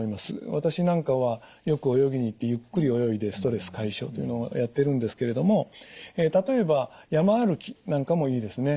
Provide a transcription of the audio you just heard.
私なんかはよく泳ぎに行ってゆっくり泳いでストレス解消というのをやってるんですけれども例えば山歩きなんかもいいですね。